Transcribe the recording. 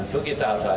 jumlahnya bisa banyak